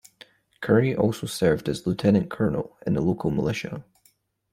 Currie also served as Lieutenant-Colonel in the local militia.